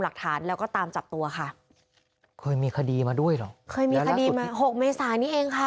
เคยมีคดีมา๖เมษานี้เองค่ะ